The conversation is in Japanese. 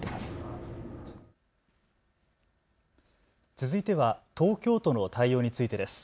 続いては東京都の対応についてです。